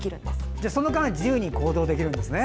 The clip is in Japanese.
じゃあ、その間自由に行動できるんですね。